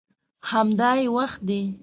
همدا یې وخت دی.